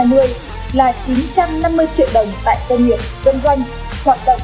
tại doanh nghiệp doanh doanh hoạt động